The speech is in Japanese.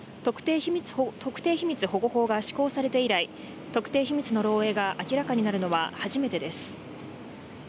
特定秘密保護法が施行されて以来、特定秘密の漏えいが明らかになるのは初めてです。